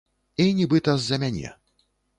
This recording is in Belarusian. І нібыта з-за мяне.